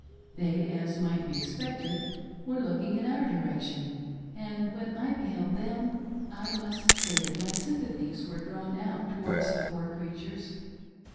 They, as might be expected, were looking in our direction, and when I beheld them, I must say that my sympathies were drawn out towards the poor creatures.